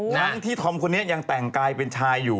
ทั้งที่ธอมคนนี้ยังแต่งกายเป็นชายอยู่